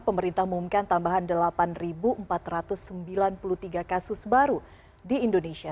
pemerintah mengumumkan tambahan delapan empat ratus sembilan puluh tiga kasus baru di indonesia